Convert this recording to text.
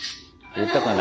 言ったかな？